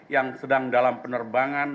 yang sedang dalam penerbangan